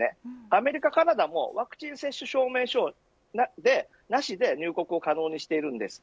アメリカ、カナダもワクチン接種なしで入国を可能にしています。